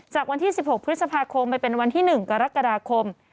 จากวันที่๑๖พฤษภาคมไปเป็นวันที่๑กรกฎาคม